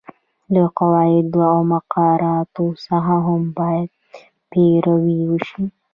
له قواعدو او مقرراتو څخه هم باید پیروي وشي.